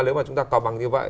nếu mà chúng ta cầm bằng như vậy